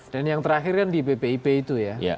dan yang terakhir kan di bpip itu ya